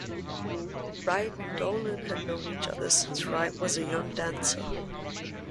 Wright and Dolin had known each other since Wright was a young dancer.